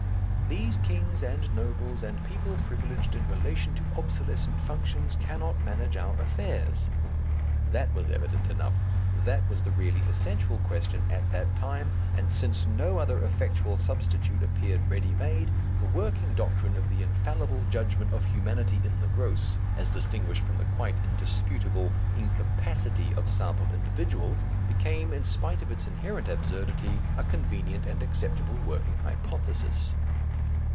"These kings and nobles and people privileged in relation to obsolescent functions cannot manage our affairs" that was evident enough, that was the really essential question at that time, and since no other effectual substitute appeared ready made, the working doctrine of the infallible judgment of humanity in the gross, as distinguished from the quite indisputable incapacity of sample individuals, became, in spite of its inherent absurdity, a convenient and acceptable working hypothesis.